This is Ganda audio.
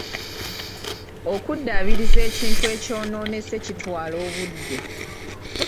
Okuddaabiriza ekintu ekyonoonese kitwala obudde.